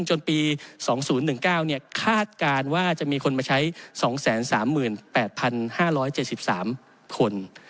จนปี๒๐๑๙คาดการณ์ว่าจะมีคนมาใช้๒๓๘๕๗๓คน